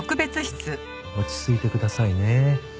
落ち着いてくださいね。